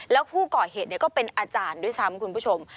แล้วผู้ก่อเหตุก็เป็นอาจารย์ด้วยซ้ำคุณผู้ชม